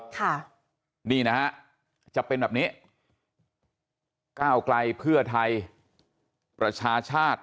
ค่ะนี่นะฮะจะเป็นแบบนี้ก้าวไกลเพื่อไทยประชาชาติ